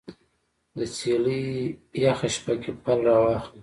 د څیلې یخه شپه کې پل راواخله